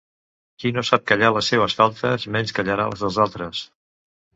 Qui no sap callar les seves faltes, menys callarà les dels altres.